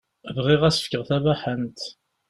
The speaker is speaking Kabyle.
Bɣiɣ ad s-fkeɣ tabaḥant.